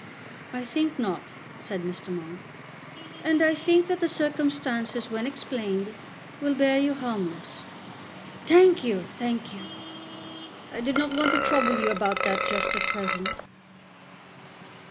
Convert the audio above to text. "I think not," said Mr. Monk, "and I think that the circumstances, when explained, will bear you harmless." "Thank you; thank you. I did not want to trouble you about that just at present."